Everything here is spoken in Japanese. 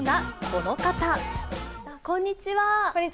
こんにちは。